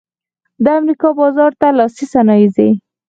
د امریکا بازار ته لاسي صنایع ځي